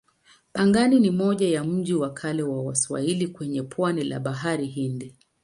Pangani ni moja ya miji ya kale ya Waswahili kwenye pwani la Bahari Hindi.